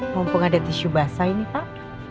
mumpung ada tisu basah ini pak